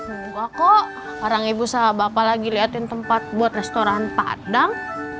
enggak kok orang ibu sama bapak lagi liatin tempat buat restoran padang